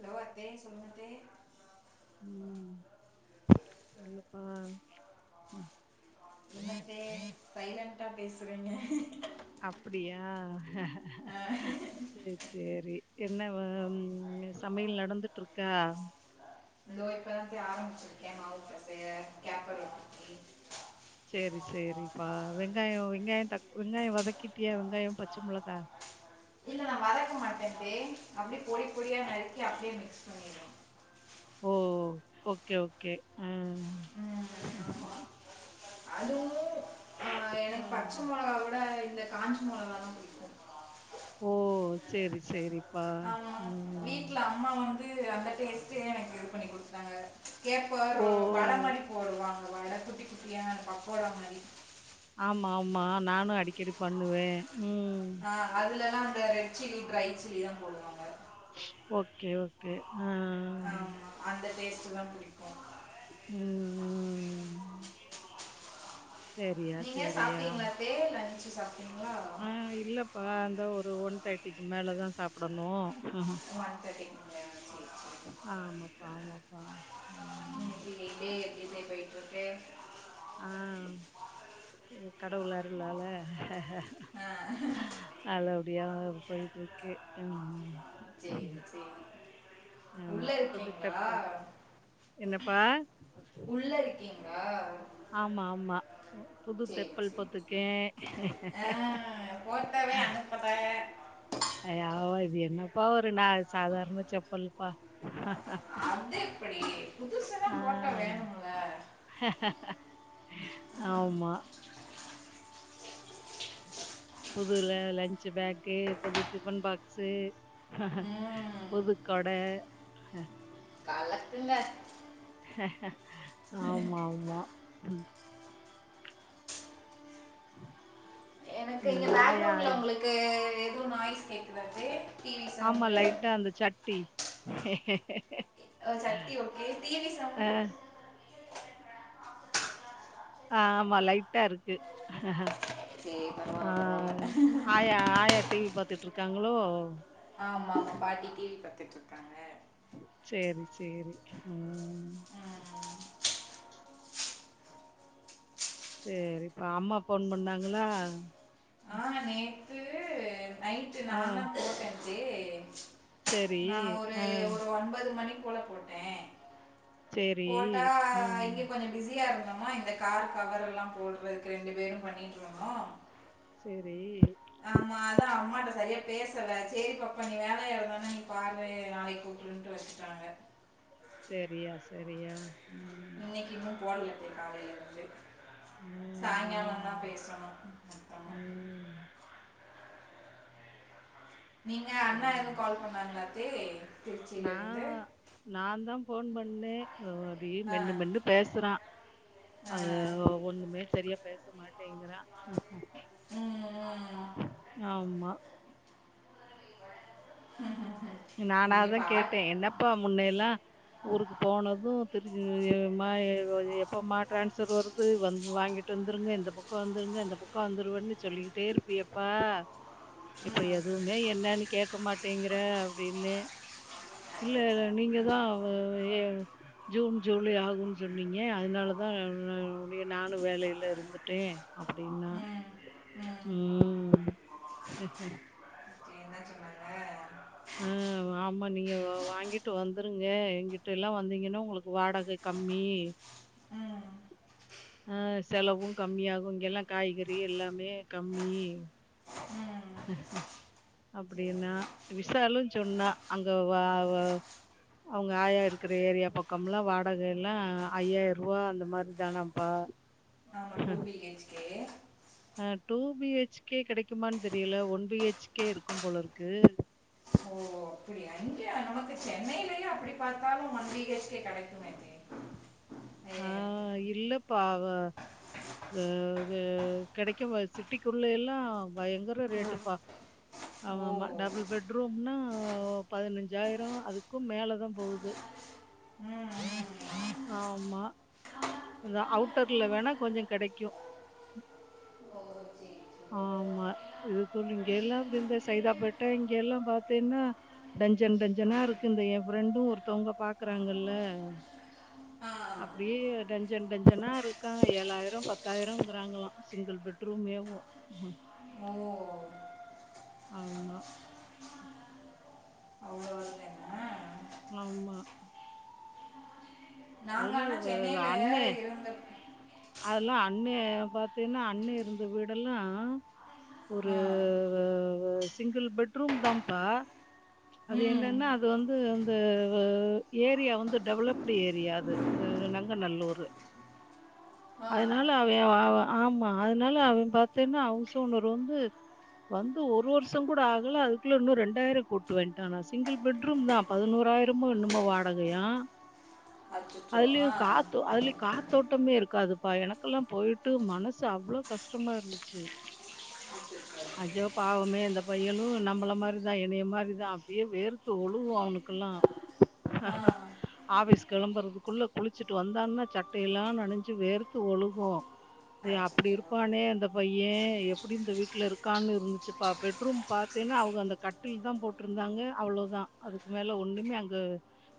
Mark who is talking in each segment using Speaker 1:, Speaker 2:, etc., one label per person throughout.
Speaker 1: [inaudible]
Speaker 2: [inaudible]
Speaker 1: என்னத்தே சைலன்டா பேசுறேங்க
Speaker 2: அப்படியா
Speaker 1: ஆ
Speaker 2: செரி செரி என்ன ப ஆம் சமையல் நடந்துட்டு இருக்க
Speaker 1: தோ இப்பதான் ஆரம்பிச்சிருக்கேன் மாவு பசைய கேப்பர்ட்ட
Speaker 2: செரி செரிப்பா வெங்காய வெங்காய தக் வெங்காய வதக்கிட்டியா வெங்காய பச்ச மொளக்கா
Speaker 1: இல்ல நான் வதக்க மாட்டேன் தே அப்படியே பொடி பொடியா நறுக்கி அப்படியே மிக்ஸ் பண்ணிருவேன்
Speaker 2: ஓ ஓகே ஓகே உஹம் உம்
Speaker 1: அதுவுமே ஆஹ்
Speaker 2: ஆ
Speaker 1: எனக் பச்ச மிளகாவுட இந்த காஞ் [inaudible]
Speaker 2: ஓ செரி செரி
Speaker 1: ஆமா வீட்ல அம்மா வந்து அந்த டேஸ்டே எனக்கு இது பண்ணி குடுத் [inaudible] கேப்ப
Speaker 2: ஓ
Speaker 1: வட மாறி போடுவாங்க வட குட்டி குட்டியா பக்கோட மாரி
Speaker 2: ஆமா ஆமா நானும் அடிக்கடி பண்ணுவேன்
Speaker 1: ஆஹ் அதுல அந்த ரெட் சில்லி ட்ரை சில்லி தான் போடுவாங்க
Speaker 2: ஓகே ஓகே ஆ
Speaker 1: ஆஹ் அந்த [unintelligible] [unintelligible] புடிக்கும்
Speaker 2: உம் உம் செரியா
Speaker 1: நீங்க
Speaker 2: செரியா
Speaker 1: சாப்பிட்டீங்களா தே லஞ்சு சாப்பிட்டீங்களா
Speaker 2: ஆஹ் இல்லப்பா அந்த ஒரு ஒன் டை மேலதான் சாப்டணும்
Speaker 1: ஒன் தேர்டி [unintelligible]
Speaker 2: ஆஹ் ஆமாப்பா ஆமாப்பா உம்
Speaker 1: இன்னைக்கு டே எப்படி தே போயிட்டு இருக்கு
Speaker 2: ஆஹ் கடவுளருலால
Speaker 1: ஆ,
Speaker 2: அது அப்படியே போயிட்டு இருக்கு உஹம்
Speaker 1: சேரி சேரி
Speaker 2: ஆமா புதுச்செப்பல் என்னப்பா
Speaker 1: உள்ள இருக்கீங்ளா
Speaker 2: ஆமா ஆமா புது தெப்பல்
Speaker 1: சரி
Speaker 2: போத்துக்கே
Speaker 1: ஆ, போட்டோவே அனுப்பத
Speaker 2: யாவா இது என்ன பாவ ப்னா சாதாரண சப்பல்ப்பா
Speaker 1: அது எப்படி புதுசெல்லாம் போட்டோ
Speaker 2: ஆஹ்
Speaker 1: வேணும்ல
Speaker 2: ஆமா புது ல லஞ்ச்சு பேக்கு புது டிஃபன் பாக்ஸ்
Speaker 1: ம்
Speaker 2: புது கொட அ
Speaker 1: கலத்துங்க
Speaker 2: ஆமா ஆமா ம்
Speaker 1: எனக்கு இங்க பேக்ரவுண்ட்ல ஒங்களுக்கு எது நாய்ஸ் கேக்குதாடே
Speaker 2: ஆமா லைட்டா அந்த சட்டி
Speaker 1: ஓ சட்டி ஓகே டி வி
Speaker 2: அ
Speaker 1: சவ்ண்டு
Speaker 2: ஆ ஆமா லைட்டா இருக்கு
Speaker 1: சரி பரவாயில்ல
Speaker 2: ஆஹ்
Speaker 1: பரவாயில்ல
Speaker 2: ஆயா ஆயா டி வி பாத்துட்டு இருக்காங்களோ
Speaker 1: மா பாட்டி டி வி பாத்துட்டுருக்காங்க
Speaker 2: சரி சரி ஹ்ம்
Speaker 1: உம்.
Speaker 2: சரி இப்ப அம்மா போன் பண்ணாங்களா
Speaker 1: வாங்கண்ணே நைட்டு
Speaker 2: ஆ
Speaker 1: நானா போட்டச்சு ஆ
Speaker 2: சரி.
Speaker 1: நா ஒரு
Speaker 2: ஆ
Speaker 1: ஒரு ஒன்பது மணிக் போல போட்டே
Speaker 2: சரி.
Speaker 1: போட்டா
Speaker 2: ம்.
Speaker 1: இங்க கொஞ்சம் பிஸியா இருந் தமா இந்த கார் கவர் எல்லா போடுறதுக்கு ரெண்டு பேரு பண்ணிட்டு இருணோ
Speaker 2: சரி
Speaker 1: ஆமா அதா அம்மாட்ட சரியா பேசல சரி பாப்பா நீ வேலையா இருந்தனா நீ பாரு நாளைக்கு கூப்புடுறனு வச்சுட்டாங்க
Speaker 2: சரியா சரியா. ம்.
Speaker 1: இன்னைக்கு இன்னு போடலத்த காலையில இருந்து
Speaker 2: ம், ம்,
Speaker 1: சாயங்காலந்தா பேசணும்
Speaker 2: ம்.
Speaker 1: நீங்க
Speaker 2: சரி
Speaker 1: அண்ணா எதுவும் கால் பண்ணாங்களா தே திருச்சியில
Speaker 2: நா
Speaker 1: இருந்து
Speaker 2: நான்தா போன் பண்ணே ஒ அப்படி
Speaker 1: ஆ
Speaker 2: மென்னு மென்னு பேசுறா அது
Speaker 1: ஆ
Speaker 2: ஒண்ணுமே சரியா பேச மாட் டேங்குறா
Speaker 1: ம்,
Speaker 2: ஆமா
Speaker 1: உஹம் உம்
Speaker 2: நானாதா கேட்டே என்னப்பா முன்னைல்லா ஊருக்கு போனது தெருஞ்சு ஏமா எ அது எப்பம்மா டிரான்ஸர் வருது வந் வாங்கிட்டு வந்துருங்க இந்த பக்க வந்துருங்க இந்த பக்க வந்துருவன்னு சொல்லிக்கிட்டே இருப்பியேப்பா இப்ப
Speaker 1: ம்
Speaker 2: எதுவுமே என்னன்னு கேக்க மாட்டேங்குற னே இல்ல
Speaker 1: அச்சச்சோ.
Speaker 2: இல்ல நீங்கதா அவ எவ் ஜ ஜூன் ஜூலை ஆகுன் சொன்னீங்க அதுனாலதா நானு வேலைல இருந்துட்டே அப்டின்னா
Speaker 1: ம் ம்
Speaker 2: உம்
Speaker 1: சரி, என்ன சொன்னாங்க
Speaker 2: அஹ் ஆமா நீங்க வ வாங்கிட்டு வந்துருங்க எங்கிட்டேலா வந்தீங்கனா உங்களுக்கு வாடகை கம்மி
Speaker 1: ம்
Speaker 2: அஹ் செலவு கம்மியாகு இங்கெல்லா காய்கறி எல்லாமே கம்மி
Speaker 1: ம்
Speaker 2: அப்டினா
Speaker 1: சரி
Speaker 2: விசாலு சொன்னா அங்க வ வ அவ்ங்க ஆயா இருக்கிற ஏரியா பக்கம்லா வாடகைலா ஐயாயிர்ருவா அந்த மாரி தானாம்ப்பா
Speaker 1: ஆமா டூ பி ஹெச் கே
Speaker 2: அஹ் டூ பி ஹெச் கே கெடைக்குமான் தெரியல ஒன் பி ஹெச் கே இருக்கு போல இருக்கு
Speaker 1: இங்கெ நமக்கு சென்னைலயே அப்டி பாத்தாலு ஒன் பி ஹெச் கே கெடைக்குமே மே
Speaker 2: ஆஹ் இல்லப் ப்பாவ வ கெ கெடைக்கும்பா சிட்டிக்குள்ள எல்லா பயங்கர ரேட்டுப்பா
Speaker 1: ஓ
Speaker 2: ஆமா டபுள் பெட்ரூம்னா பதினஞ்சாயிர அதுக்கு மேலதா போகுது
Speaker 1: ம் ம்.
Speaker 2: ஆமா அந்த அவுட்டர்ல வேணா கொஞ்ச கெடைக்கு
Speaker 1: ஓ சரி சரி.
Speaker 2: ஆமா இது தோழி இங்கேல்லா அப்டி இந்த சைதாப்பேட்ட இங்கேலா பாத்தீனா டஞ்சன் டஞ்சனா இருக்கு இந்த எ ஃப்ரெண்டு ஒருத்தவ்ங்க பாக்குறாங்கல்ல
Speaker 1: ஆ
Speaker 2: அப்டியே டஞ்சன் டஞ்சனா இருக்கா‌ ஏழாயிர பத்தாயிரங்கிறாங்களா சிங்கிள் பெட்ரூமேவு உஹிம்
Speaker 1: ஓ
Speaker 2: ஆமா
Speaker 1: அவ்வளோ இல்லைன்னா
Speaker 2: மாம்மா
Speaker 1: நாங்க ஆனா சென்னைல இருந்து
Speaker 2: அதெல்லா அண்ணே பாத்தீனா அண்ணே இருந்த வீடெல்லா ஒரு
Speaker 1: ஆ
Speaker 2: வ வ சிங்கிள் பெட்ரூம்தாம்ப்பா அது
Speaker 1: ம்
Speaker 2: என்னன்னா அது வந்து அந்த ஏரியா வந்து டெவலப்டு ஏரியா து இந்த நாங்க நல்லூரு
Speaker 1: ஆ
Speaker 2: அதுனால அவ அவ ஆமா அதுனால அவ பாத்தீனா ஹவுஸ் ஓனர் வந்து வந்து ஒரு வர்ஷங் கூட ஆகல அதுக்குள்ள இன்னு ரெண்டாயிர கூட்டுவேன்ட்டானா சிங்கிள் பெட்ரூம் தா பதினோறாயிரமோ என்னமோ வாடகையா
Speaker 1: அச்சோ
Speaker 2: அதுலயு
Speaker 1: ஆ
Speaker 2: காத்தோ அதுலயு காத்தோட்டமே இருக் க்காதுப்பா எனக்குலா போயிட்டு மனசு அவ்ளோ கஷ்டமா இருந்துச்சு
Speaker 1: அச்சோ
Speaker 2: ஐயோ பாவமே இந்த பையனு நம்பள மாரிதா என்னைய மாரிதா அப்டியே வேர்த்து ஒழுகு அவனுக்குலா
Speaker 1: ஆ
Speaker 2: ஆஃபீஸ் கெளம்புறதுக்குள்ள குளிச்சுட்டு வந்தான்னா சட்ட எல்லா நனஞ்சு சு வேர்த்து ஒழுகு
Speaker 1: அச்சோ
Speaker 2: அப்டி இருப்பானே அந்த பைய எப்டி இந்த வீட்ல இருக் கான்னு இருந்துச்சுப்பா பெட்ரூம் பாத்தேனா அவ்க அந்த கட்டில் தா போட்ருந்தாங்க அவ்ளோதா அதுக்கு மேல ஒன்னுமே அங்க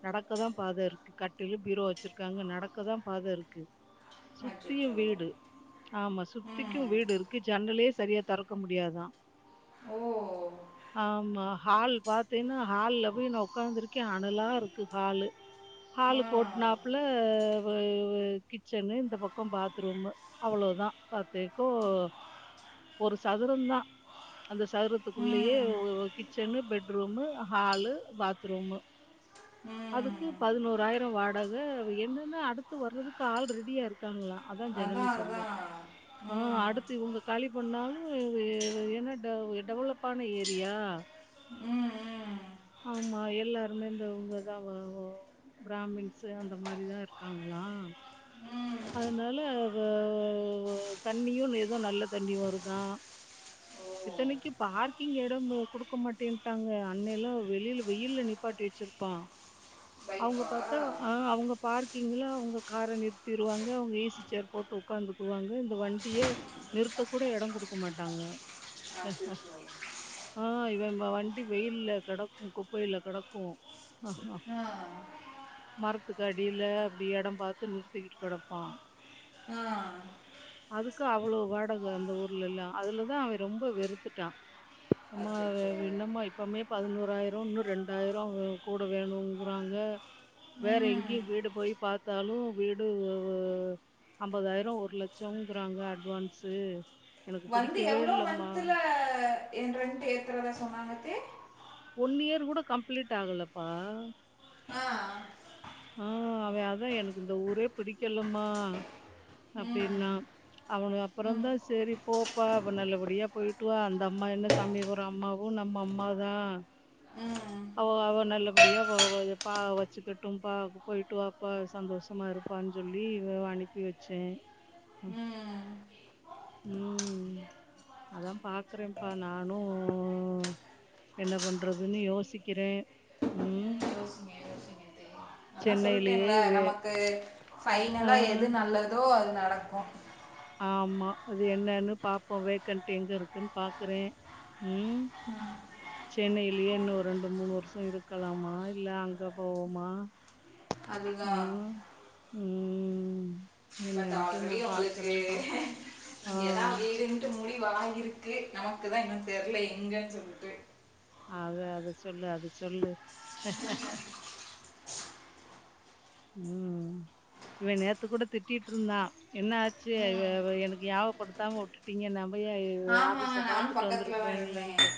Speaker 2: நடக்கதா பாத இருக்கு கட்டிலு பீரோ வச்சிருக்காங்க நடக்கதா பாத இருக்கு சுத்தியு
Speaker 1: அச்சோ
Speaker 2: வீடு ஆமா சுத்திக்கு
Speaker 1: ம்
Speaker 2: வீடு இருக்கு ஜன்னலே செரியா தொறக்க முடியாதா
Speaker 1: ஓ
Speaker 2: ஆமா ஹால் பாத்தீனா ஹால்ல போய் நா ஒக்காந்துருக்கே அனலா இருக்கு ஹாலு ஹாலு
Speaker 1: ம்
Speaker 2: கோட்னாப்புல அதை கிச்சனு இந்த பக்க பாத்ரூமு அவ்வளோதா பாத் துக்கோ ஒரு சதுரந்தா அந்த சதுரத்துக்குள்ளயே
Speaker 1: ம்
Speaker 2: ஒ கிச்சன்னு பெட் பெட்ரூமு ஹாலு பாத்ரூமு
Speaker 1: ம்
Speaker 2: அதுக்கு பதுனோறாயிர் [unintelligible] வாடக என்னென்ன அடுத்து வர்றது கு ஆள் ரெடியா இருக் க்காங்ளா அதா ஜனனி
Speaker 1: அதான்
Speaker 2: சொல்லு
Speaker 1: அதான்
Speaker 2: ஆ
Speaker 1: ம்
Speaker 2: அடுத்து இவுங்க காலி பண்ணணாலு ஏ ஏனா டெ டெவலப்பான ஏரியா
Speaker 1: ம் ம்
Speaker 2: ஆமா எல்லாருமே இந்த இவுங்கதா வ ஒ பிராமின்ஸு அந்த மாரிதா இருக்காங்களா
Speaker 1: ம்
Speaker 2: அதுனால வ வ தண்ணியு ஏதோ நல்ல தண்ணி வருதா
Speaker 1: ஓ
Speaker 2: இத்தனைக்கு பார்க்கிங் எடம் குடுக்க மாட்டேன்ட்டாங்க அன்னைல்லா வெளியில வெயில்ல நிப்பாட்டி வெச்சிருப்பா அவுங்க
Speaker 1: பைக்கா
Speaker 2: பாத்தா ஆஹ் அவுங்க பார்க்கிங்ல அவுங்க கார நிற் திருவாங்க அவுங்க ஏசி சேர் போட்டு உக்காந்துக்குவாங்க இந்த வண்டிய நிறுத்தக் கூட எடோ குடுக்க மாட்டாங்க
Speaker 1: அச்சோ
Speaker 2: ஆஹ் இவ ப வண்டி வெயில்ல கடக்கு குப்பைல கடக்கு அ
Speaker 1: ஆ
Speaker 2: மரத் துக்கு அடியில அப்டி எடம் பாத்து நிற் திக்கிட்டு கடப்பா
Speaker 1: ஆஹ்
Speaker 2: வ்வளோ வாடக அந்த ஊர்லல்லா அதுலதா அவெ ரொம்ப வெறுத்துட்டா அம்மா
Speaker 1: அச்சோ
Speaker 2: என்னம்மா இப்பமே பதினோ றாயிரொ இன்னு ரெண்டாயிரொ வ கூட வேணுங்குறாங்க வேற
Speaker 1: ம்
Speaker 2: எங்கயு வீடு போய் பாத்தாலு வீடு ஒ ஒ அம்பதாயிரொ ஒரு லட்சொங்குறாங்க அட்வான்ஸு
Speaker 1: வந்து எவ்ளோ மன்த்துல ரெண்ட்டு ஏ த்றதா சொன்னாங்கத்தே
Speaker 2: ஒன் இயர் கூட கம்ப்ளீட் ஆகலப்பா
Speaker 1: ஆ
Speaker 2: ஆஹ் அவெ அதா எனக்கு இந்த ஊரே பிடிக்கலமா அப்டின்னா
Speaker 1: ம்
Speaker 2: அவனு அப்பறந்
Speaker 1: ம்
Speaker 2: தா சேரி போப்பா அவ நல்லபடியா போயிட்டுவா அந்த அம்மா என்ன சமையபுர அம்மாவு நம்ம அம்மாதா
Speaker 1: ம்
Speaker 2: அவொ அவ நல்லப்படியா வ வ பா வச்சுக்கட்டும் பாத்து போயிட்டுவாப்பா சந்தோஷமா இருப்பான் சொல்லி வ அனுப்பி வச்சே
Speaker 1: ம்
Speaker 2: உம் அதா பாக்குறேம்ப்பா நானு என்ன பண்றதுன்னு யோசிக்கிறே உம்
Speaker 1: அதா சொல்ட்டேன்ல
Speaker 2: வே
Speaker 1: நமக்கு
Speaker 2: ஆ
Speaker 1: ஃபைனலா எது நல்லதோ அது நடக்கு
Speaker 2: ஆமா அது என்னன்னு பாப்போ வேக்கண்ட் எங்க இருக்குன் பாக்குறே உம் சென்னையிலயே இன்னு ஒரு ரெண்டு மூணு வர்ஷொ இருக்கலாமா இல்ல அங்க போவோமா
Speaker 1: அதுதா
Speaker 2: உம்
Speaker 1: ஆல்ரெடி உங்களுக்கு
Speaker 2: ஆ
Speaker 1: ஏனா வீடுன்ட்டு முடிவாய் இருக்கு நமக்கு தா இன்னு தெர்ல எங்க சொல்லிட்டு
Speaker 2: அத அத சொல்லு அத சொல்லு ம் இவ நேத்து கூட திட்டிட்டு இருந்தான் என்ன ஆச்சு இவ
Speaker 1: ம்
Speaker 2: எனக்கு ஞாவப்படுத்தாம உட்டுட்டிங்க ந போயி
Speaker 1: ஆமா
Speaker 2: ஆபிச பார்த்து
Speaker 1: நானும்
Speaker 2: உட்ல
Speaker 1: பக்கத்துல தான் இருந்தேன்
Speaker 2: வந்துருப்பன்லன்ட்டு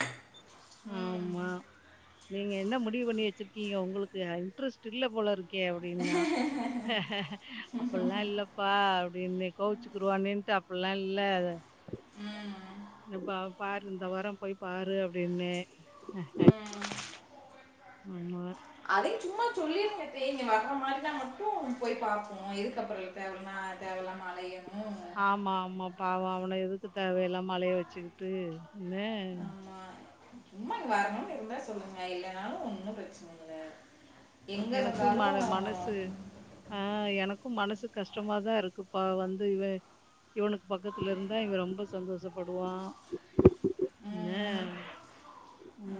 Speaker 2: ம் ஆமா நீங்க என்ன முடிவு பண்ணி வச்சிருக்கீங்க உங்களுக்கு இன்ட்ரெஸ்ட் இல்ல போல இருக்கே அப்படின்னா அப்படல்லாம் இல்லப்பா அப்படின்னு கோவிச்சுக்குருவானட்டு அப்படில்லாம் இல்ல
Speaker 1: ம்
Speaker 2: பாரு இந்த வரம் போய் பாரு அப்படின்னா
Speaker 1: ம்
Speaker 2: நம்மவர்
Speaker 1: அதையும் சும்மா சொல்லிருங்க த்தை இங்க வர்ற மாதிரினு மட்டும் போய் பார்ப்போம் எதுக்கு அப்புறம் தேவ தேவயில்லமா அலாயினும்
Speaker 2: பாவம் அவனை எதுக்கு தேவயில்லாமா அலையா வச்சுக்கிட்டு ஒன்னு
Speaker 1: ஆமா சும்மா வரணும்னு இருந்தா சொல்லுங்க இல்லனாலும் ஒண்ணும் பிரச்சனைல்லா
Speaker 2: எனக்கும் ம் மன மனசு ஆஹ் எனக்கு மனசு கஷ்டமாதான் இருக்குப்ப வந்து இவன் இவனுக்கு பக்கத்துல இருந்தா இவன் ரொம்ப சந்தோஷப்படுவான் என்ன
Speaker 1: ம்,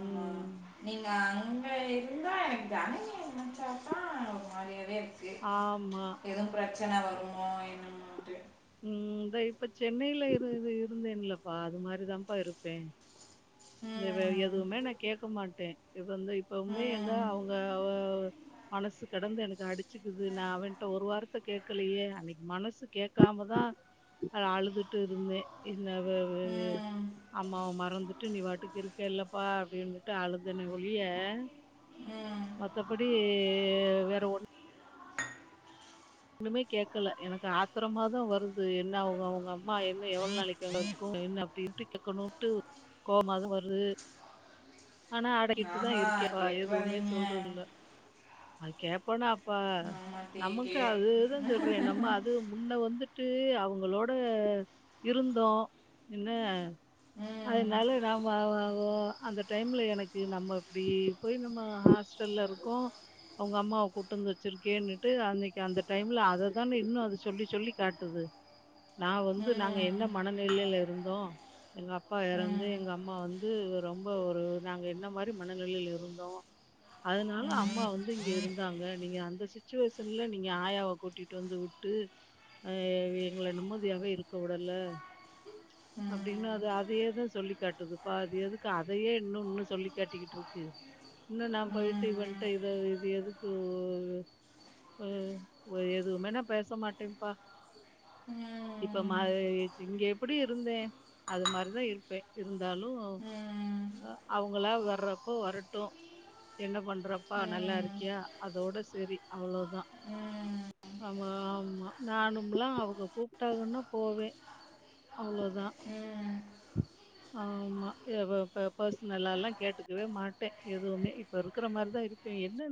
Speaker 1: ஆமா நீங்க அங்க இருந்தா எனக்கு தானே நெறையவே இருக்கு
Speaker 2: ஆமா
Speaker 1: எதும் பிரச்சனை பிரச்சன வருமோ என்னட்டு
Speaker 2: ம் த இப்ப சென்னையில இரு இருந்தேன்லப்பா அது மாதிரிதான்ப்பா இருப்பேன் வேற
Speaker 1: ம்
Speaker 2: எதுவுமே நான் கேட்க மாட்டே சேரி இப்ப வந்து இப்பவுமே
Speaker 1: ம்
Speaker 2: அவங்க மனசு கடந்து எனக்கு அடிச்சுக்குது நா அவனிட்ட ஒரு வார்த்த கேட்கலையே அன்னைக்கு மனசு கேட்காமதா அழுதுட்டு இருந்தே
Speaker 1: ம்
Speaker 2: அம்மாவ மறந்துட் நீ வாட்டுக்கு இருக்க இல்லப்பா அப்படின்னுட்டு அழுதுன ஒழிய
Speaker 1: ம்
Speaker 2: மத்தபடி ஏ வேற ஒண்ணு ஒண்ணுமே கேடக்கல எனக்கு ஆத்திரமாதா வருது என்ன அவங்க அவங்க அம்மா என்ன எவ்வளோ நாளிக்கு அங்க இருக்கு என்ன அப்படின்ட்டு கேட்கணுன்ட்டு கோபமாதான் வருது ஆனா அடகிட்டுதான்
Speaker 1: ஆஹா
Speaker 2: இருக்கே வாய எதுவுமே
Speaker 1: கேட்டுறாதீங்க
Speaker 2: சொல்றது இல்ல அது கேப்பனா அப்ப
Speaker 1: நா தேக்கி
Speaker 2: நமக்கு அதுதான் சொல்றேன் நம்ம அது முன்ன வந்து ட்டு அவங்களோட இருந்தோம் என்ன
Speaker 1: ம்
Speaker 2: அதனால நாம அந்த டைம்ல எனக்கு நம்ம இப்படி போய் நம்ம ஹாஸ்டல்ல இருக்கோம் அவங்க அம்மாவை கூட்ட வந்து வச்சிருக்கியேன்னுட்டு அன்னைக்கு அந்த டைம்ல அததானே இன்னும் அது சொல்லி சொல்லி காட்டுது நா வந்து நாங்க என்ன
Speaker 1: ம்
Speaker 2: மனநிலையில இருந்தோ எங்க அப்பா இறந்து
Speaker 1: ம்
Speaker 2: எங்க அம்மா வந்து ரொம்ப ஒரு நாங்க என்ன மாதிரி மனநிலைலா இருந்தோம் அதனால அம்மா வந்து இங்க இருந்தாங்க நீங்க அந்தச்சுவேஷன்ல நீ ஆயாவை கூட்டிட்டு வந்து விட்டு ஆ எங்களை நிம்மதியாவே இருக்க விடல அப்டீன்னா அது அதையேதா சொல்லி காட்டுதுப்பா அது எதுக்கு அதையே இன்னும் இன்னும் சொல்லி் காட்டிக்கிட்டு இருக்கு இன்னும் நான் போயிட்டு இவன்கிட்ட் இத இது எதுக்கு உம் எதுவுமே நா பேசமாட்டேன்ப்பா இப்ப மா இங்கே அப்படி இருந்தே அது மாதிரிதா இருப்பேன் இரு இருந்தாலோ ஆ அவுங்களா வர்றப்போ வரட்டு என்ன பண் றப்பா நல்லா இருக்கியா அதோட செ செரி அவ்ளோதா
Speaker 1: உம்
Speaker 2: ஆமா ஆமா நானும்லாம் அவக கூப்டாகன்னா போவேன் அவ்ளோதான் ஆமா எ ப ப பர்சனல்லலா கேட்டுக்கவே மாட்டேன் எதுமே இப்ப இருக்கிற மாரிதா இருப்பேன் என்ன